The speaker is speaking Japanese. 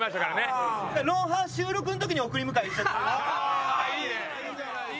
ああいいね。